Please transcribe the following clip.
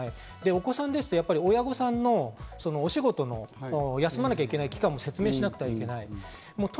お子さんですと、親御さんのお仕事を休まなきゃいけない、説明もしなきゃいけない。